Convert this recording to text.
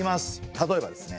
例えばですね